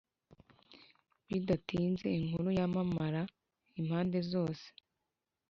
Bidatinze inkuru yamamara impande zose